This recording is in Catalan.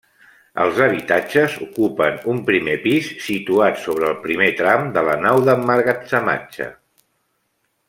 Els habitatges ocupen un primer pis situat sobre el primer tram de la nau d'emmagatzematge.